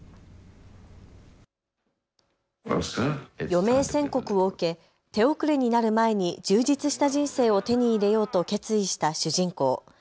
余命宣告を受け手遅れになる前に充実した人生を手に入れようと決意した主人公。